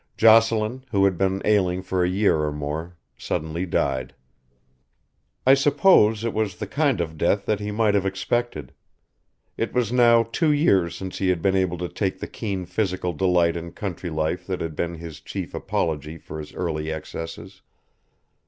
Jocelyn, who had been ailing for a year or more, suddenly died. I suppose it was the kind of death that he might have expected. It was now two years since he had been able to take the keen physical delight in country life that had been his chief apology for his early excesses.